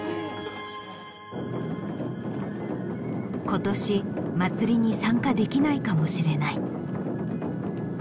今年まつりに参加できないかもしれない。